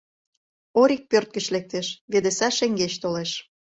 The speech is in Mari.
Орик пӧрт гыч лектеш, Ведеса шеҥгеч толеш.